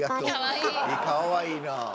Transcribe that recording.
かわいいな。